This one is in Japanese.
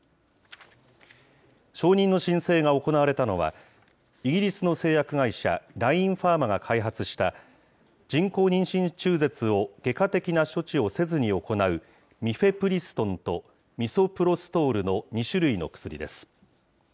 承認の申請が行われたのは、イギリスの製薬会社、ラインファーマが開発した、人工妊娠中絶を外科的な処置をせずに行う、ミフェプリストンとミソプロストールの２種類の薬です。